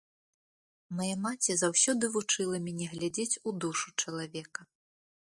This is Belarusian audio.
Мая маці заўсёды вучыла мяне глядзець у душу чалавека.